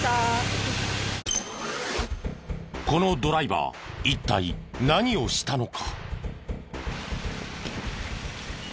このドライバー一体何をしたのか？